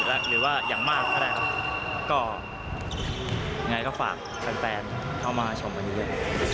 ก็อย่างไรก็ฝากตันแปนเข้ามาชมบันนี้เลย